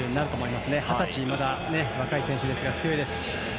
まだ二十歳の若い選手ですが強いです。